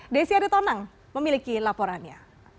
desi adetonang memiliki laporannya